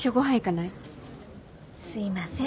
すいません。